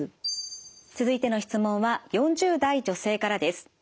続いての質問は４０代女性からです。